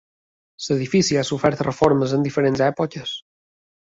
L'edifici ha sofert reformes en diferents èpoques.